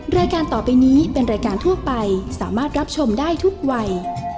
รายการต่อไปนี้เป็นรายการทั่วไปสามารถรับชมได้ทุกวัย